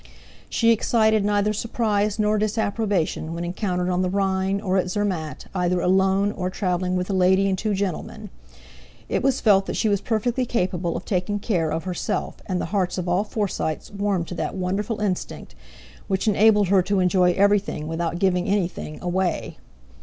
She excited neither surprise nor disapprobation when encountered on the Rhine or at Zermatt, either alone, or travelling with a lady and two gentlemen; it was felt that she was perfectly capable of taking care of herself; and the hearts of all Forsytes warmed to that wonderful instinct, which enabled her to enjoy everything without giving anything away.